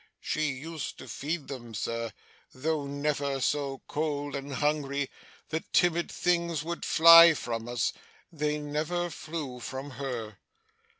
She used to feed them, Sir. Though never so cold and hungry, the timid things would fly from us. They never flew from her!